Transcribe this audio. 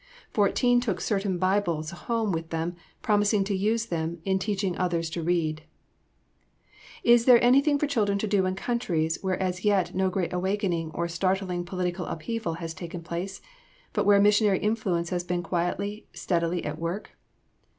Fourteen took certain Bibles home with them, promising to use them in teaching others to read. Is there anything for children to do in countries where as yet no great awakening or startling political upheaval has taken place, but where missionary influence has been quietly, steadily at work?